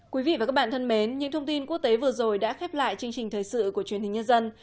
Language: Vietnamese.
quý vị và các bạn thân mến những thông tin quốc tế vừa rồi đã khép lại chương trình thời sự của truyền hình nhân dân